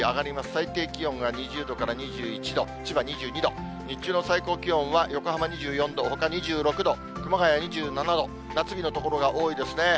最低気温が２０度から２１度、千葉２２度、日中の最高気温は横浜２４度、ほか２６度、熊谷２７度、夏日の所が多いですね。